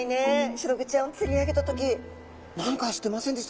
シログチちゃんを釣り上げた時何かしてませんでしたか？